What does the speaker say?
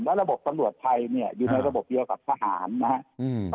แล้วระบบตำรวจไทยเนี่ยอยู่ในระบบเยอะกับทหารนะฮะ